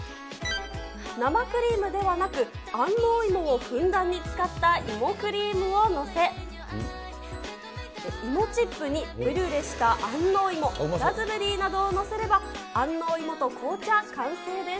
生クリームではなく、安納芋をふんだんに使った芋クリームを載せ、芋チップにブリュレした安納芋、ラズベリーなどを載せれば、安納芋と紅茶完成です。